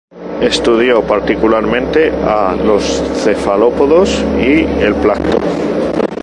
Estudió particularmente a los cefalópodos y el plancton.